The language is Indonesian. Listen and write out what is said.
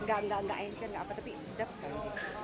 enggak enggak encer enggak apa apa tapi sedap sekali